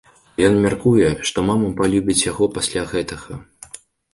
Ён мяркуе, што мама палюбіць яго пасля гэтага.